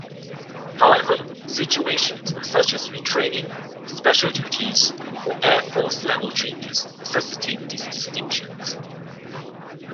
However, situations such as retraining, special duties, or Air Force-level changes necessitate these distinctions.